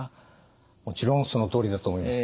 もちろんそのとおりだと思います。